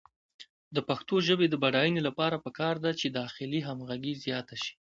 د پښتو ژبې د بډاینې لپاره پکار ده چې داخلي همغږي زیاته شي.